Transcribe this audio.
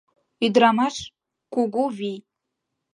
Ӱдырамаш — кугу вий!